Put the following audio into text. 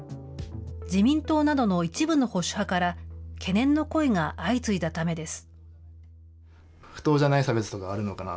自民党などの一部の保守派から、懸念の声が相次いだためです。